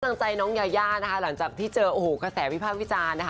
ตั้งใจน้องยาย่าหลังจากที่เจอกระแสวิภาพวิจารณ์